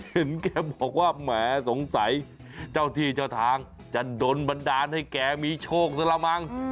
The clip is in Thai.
เห็นแกบอกว่าแหมสงสัยเจ้าที่เจ้าทางจะโดนบันดาลให้แกมีโชคซะละมั้ง